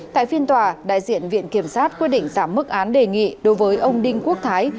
tại phiên tòa đại diện viện kiểm sát quyết định giảm mức án đề nghị đối với ông đinh quốc thái